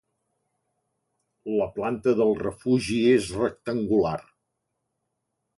La planta del refugi és rectangular.